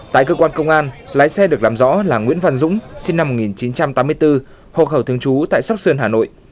tại cơ quan công an lái xe được làm rõ là nguyễn văn dũng sinh năm một nghìn chín trăm tám mươi bốn hộ khẩu thường trú tại sóc sơn hà nội